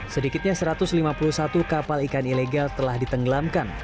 sedikitnya satu ratus lima puluh satu kapal ikan ilegal telah ditenggelamkan